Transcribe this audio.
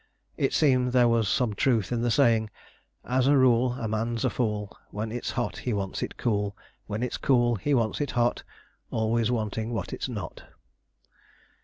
It seemed there was some truth in the saying "As a rule a man's a fool: When it's hot he wants it cool; When it's cool he wants it hot, Always wanting what is not."